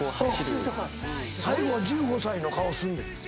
最後１５歳の顔すんねん。